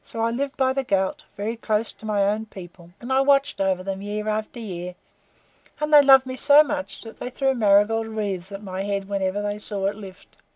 So I lived by the Ghaut, very close to my own people, and I watched over them year after year; and they loved me so much that they threw marigold wreaths at my head whenever they saw it lift.